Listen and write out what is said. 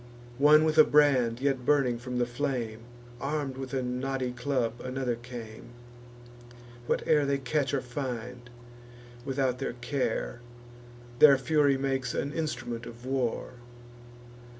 One with a brand yet burning from the flame, Arm'd with a knotty club another came: Whate'er they catch or find, without their care, Their fury makes an instrument of war.